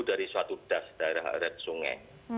dari suatu das daerah red sungai